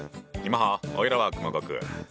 おいらは熊悟空！